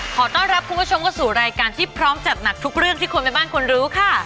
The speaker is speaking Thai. ขอต้อนรับคุณผู้ชมเข้าสู่รายการที่พร้อมจัดหนักทุกเรื่องที่คนแม่บ้านควรรู้ค่ะ